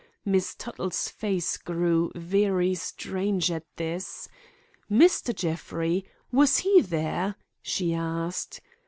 Miss Tuttle's face grew very strange at this. 'Mr. Jeffrey! was he there?' she asked.